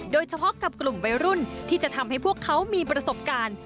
โดยเฉพาะกับกลุ่มวัยรุ่นที่จะทำให้พวกเขามีประสบการณ์